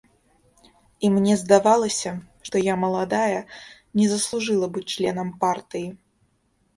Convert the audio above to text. І мне здавалася, што я маладая, не заслужыла быць членам партыі.